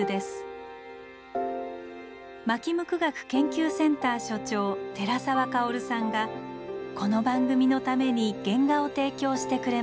纒向学研究センター所長寺澤薫さんがこの番組のために原画を提供してくれました。